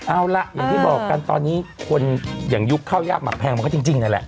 เอาล่ะอย่างที่บอกกันตอนนี้คนอย่างยุคข้าวยากหมักแพงมันก็จริงนั่นแหละ